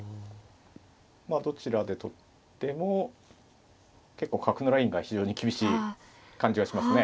どちらで取っても結構角のラインが非常に厳しい感じがしますね。